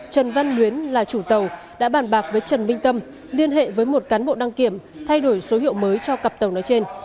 trần văn luyến là chủ tàu đã bàn bạc với trần minh tâm liên hệ với một cán bộ đăng kiểm thay đổi số hiệu mới cho cặp tàu nói trên